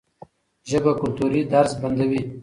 ژبه کلتوري درز بندوي.